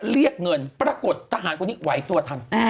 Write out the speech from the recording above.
เรียกเงินปรากฏทหารคนนี้ไหวตัวทัน